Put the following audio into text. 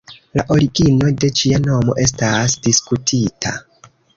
La origino de ĝia nomo estas diskutita.